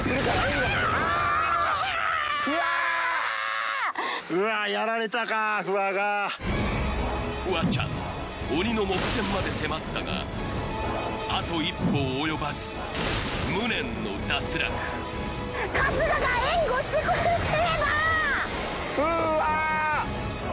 いやあっフワちゃん鬼の目前まで迫ったがあと一歩及ばず無念の脱落春日が援護してくれてればフワー！